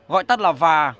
gọi tắt là va